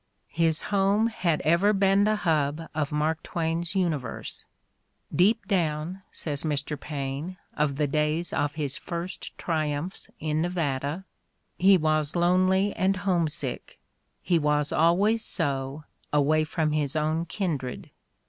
His home had ever been the hub of Mark Twain 's universe :'' deep down, '' says Mr. Paine, of the days of his first triumphs in Nevada, "he was lonely and homesick; he was al ways so away from his own kindred."